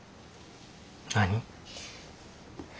何？